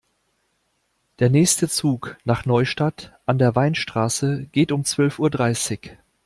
Der nächste Zug nach Neustadt an der Weinstraße geht um zwölf Uhr dreißig